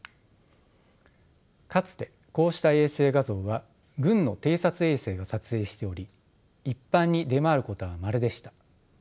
かつてこうした衛星画像は軍の偵察衛星が撮影しており一般に出回ることはまれでした。